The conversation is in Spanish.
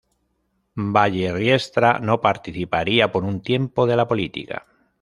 Valle Riestra no participaría por un tiempo de la política.